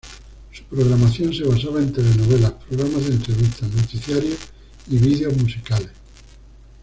Su programación se basaba en telenovelas, programas de entrevistas, noticiarios y vídeos musicales.